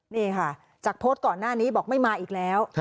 นี่ค่ะจากโพสต์ก่อนหน้านี้บอกไม่มาอีกแล้ว